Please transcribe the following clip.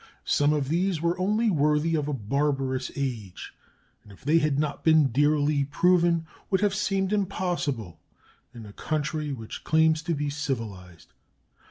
Some of these were only worthy of a barbarous age, and if they had not been dearly proven would have seemed impossible in a country which claims to be civilized.